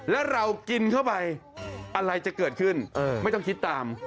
แล้วเรากินเข้าไปอะไรจะเกิดขึ้นไม่ต้องคิดตาม